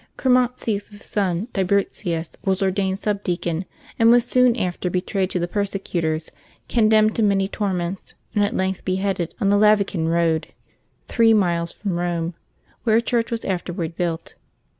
Chromatius's son, Tiburtius, was ordained subdeacon, and was soon after betrayed to the persecutors, condemned to many torments, and at length beheaded on the Lavican Eoad, three miles from Rome, where a church was afterward built.